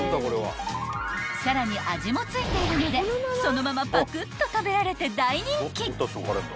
［さらに味も付いているのでそのままパクッと食べられて大人気］